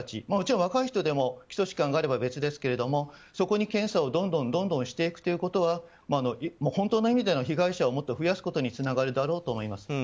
もちろん若い人でも基礎疾患があれば別ですがそこに検査をどんどんしていくということは本当の意味での被害者をもっと増やすことにつながるだろうと思います。